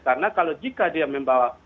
karena kalau jika dia membawa